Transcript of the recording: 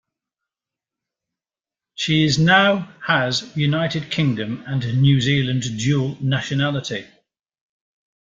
She is now has United Kingdom and New Zealand dual-nationality.